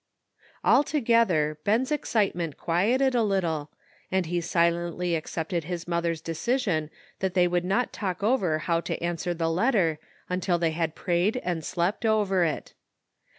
Altogether, Ben's excitement quieted a little, and he silently accepted his mother's decision that they would not talk over how to answer the letter until they had prayed and slept over it.